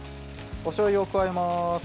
おしょうゆを加えます。